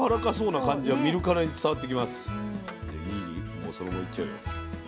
もうそのままいっちゃうよ。